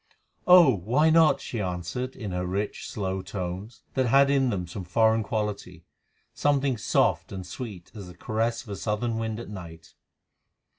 "Oh! why not?" she answered in her rich, slow tones, that had in them some foreign quality, something soft and sweet as the caress of a southern wind at night.